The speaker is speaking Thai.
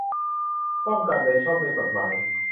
ป้องกันโดยชอบด้วยกฎหมาย